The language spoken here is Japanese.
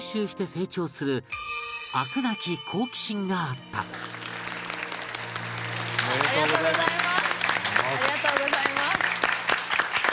ありがとうございます。